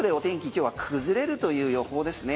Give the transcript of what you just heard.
今日は崩れるという予報ですね。